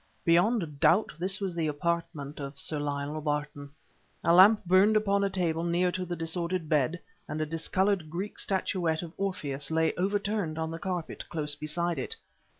Beyond doubt this was the apartment of Sir Lionel Barton. A lamp burned upon a table near to the disordered bed, and a discolored Greek statuette of Orpheus lay overturned on the carpet close beside it.